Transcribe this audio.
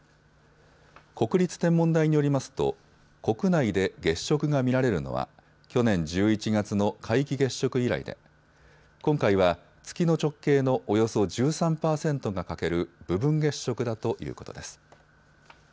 国立天文台によりますと国内で月食が見られるのは去年１１月の皆既月食以来で今回は月の直径のおよそ１３％が欠ける部分月食だということです。